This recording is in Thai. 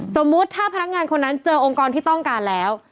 สมมุติถ้าพนักงานคนนั้นเจอองค์กรที่ต้องการแล้ว